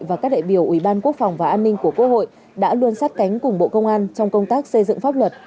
và các đại biểu ủy ban quốc phòng và an ninh của quốc hội đã luôn sát cánh cùng bộ công an trong công tác xây dựng pháp luật